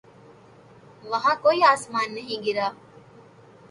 وہاں کوئی آسمان نہیں گرا۔